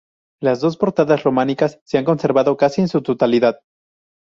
Las das portadas románicas se han conservado casi en su totalidad.